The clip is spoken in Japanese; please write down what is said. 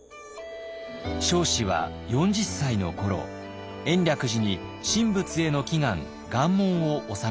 彰子は４０歳の頃延暦寺に神仏への祈願願文を納めています。